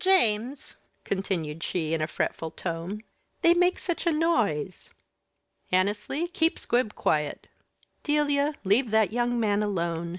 James," continued she, in a fretful tone, "they make such a noise!" "Annesley, keep Squib quiet." "Delia, leave that young man alone.